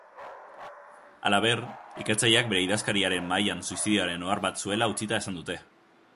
Halaber, ikertzaileak bere idazkariaren mahaian suizidioaren ohar bat zuela utzita esan dute.